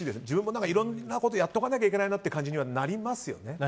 自分もいろいろなことやっておかなきゃいけないなという感じにはなりますよね。